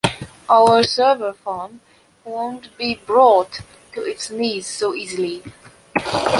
Our server farm won’t be brought to its knees so easily.